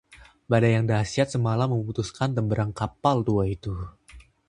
badai yang dahsyat semalam memutuskan temberang kapal tua itu